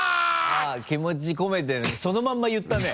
あっ気持ち込めてるねそのまま言ったね。